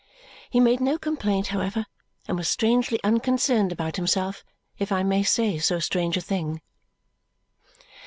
He made no complaint, however, and was strangely unconcerned about himself, if I may say so strange a thing.